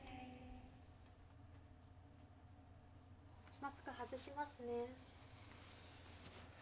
マスク外しますね